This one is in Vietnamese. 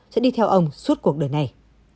sẽ đi theo ông suốt cuộc đời này